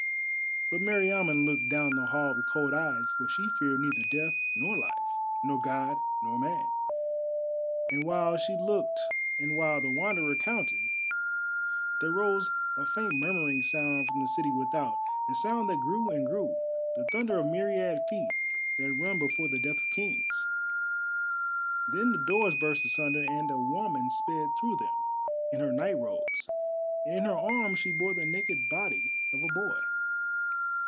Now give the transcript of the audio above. But Meriamun looked down the hall with cold eyes, for she feared neither Death nor Life, nor God nor man. And while she looked and while the Wanderer counted, there rose a faint murmuring sound from the city without, a sound that grew and grew, the thunder of myriad feet that run before the death of kings. Then the doors burst asunder and a woman sped through them in her night robes, and in her arms she bore the naked body of a boy.